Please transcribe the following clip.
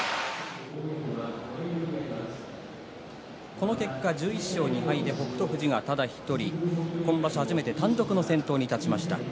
この結果、１１勝２敗で北勝富士が、ただ１人今場所、初めて単独の先頭に立ちました。